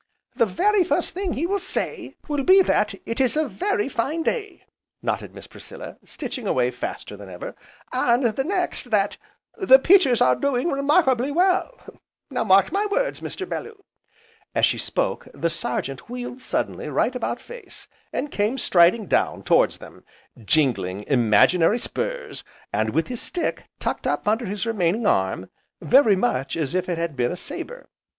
"The very first thing he will say will be that 'it is a very fine day,'" nodded Miss Priscilla, stitching away faster than ever, "and the next, that 'the peaches are doing remarkably well,' now mark my words, Mr. Bellew." As she spoke, the Sergeant wheeled suddenly right about face, and came striding down towards them, jingling imaginary spurs, and with his stick tucked up under his remaining arm, very much as if it had been a sabre.